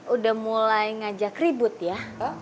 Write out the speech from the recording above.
udah mulai ngajak ribut ya